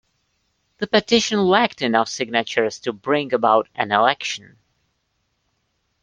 The petition lacked enough signatures to bring about an election.